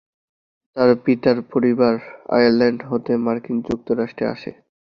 তার পিতার পরিবার আয়ারল্যান্ড হতে মার্কিন যুক্তরাষ্ট্রে আসে।